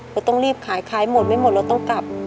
เราต้องรีบขายขายหมดไม่หมดเราต้องกลับ